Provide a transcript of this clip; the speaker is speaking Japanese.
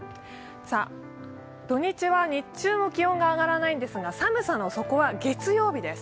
土日は日中も気温が上がらないんですが、寒さの底は月曜日です。